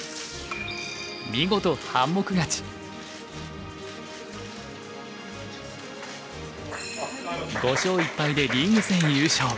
見事５勝１敗でリーグ戦優勝。